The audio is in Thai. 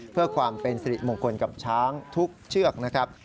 เพื่อความเป็นสิริมงคลกับช้างทุกเชือกนะครับ